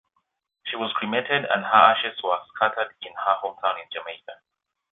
She was cremated and her ashes were scattered in her hometown in Jamaica.